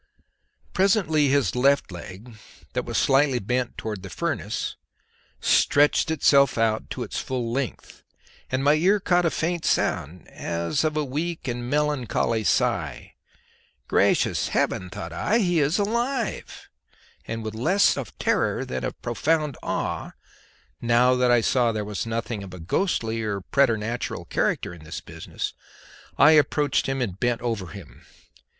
Presently his left leg, that was slightly bent towards the furnace, stretched itself out to its full length, and my ear caught a faint sound, as of a weak and melancholy sigh. Gracious heaven, thought I, he is alive! and with less of terror than of profound awe, now that I saw there was nothing of a ghostly or preternatural character in this business, I approached and bent over him.